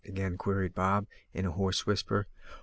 again queried Bob, in a hoarse whisper.